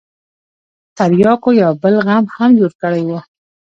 ترياکو يو بل غم هم جوړ کړى و.